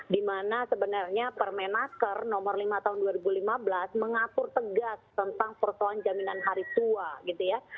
dimana sebenarnya permenaker nomor lima tahun dua ribu lima belas mengatur tegas tentang persoalan jaminan hari tua gitu ya